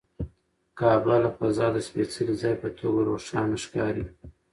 کعبه له فضا د سپېڅلي ځای په توګه روښانه ښکاري.